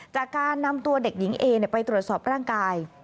จากการนำตัวเด็กหญิงเอไปตรวจสอบร่างกาย